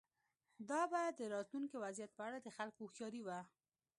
دا به د راتلونکي وضعیت په اړه د خلکو هوښیاري وه.